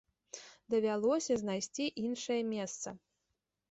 Давялося знайсці іншае месца.